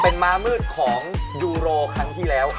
เป็นม้ามืดของยูโรครั้งที่แล้ว